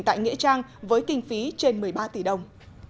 tại nghĩa trang với kinh phí trên một mươi ba tỷ đồng